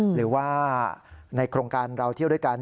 หรือว่าในโครงการเราเที่ยวด้วยกัน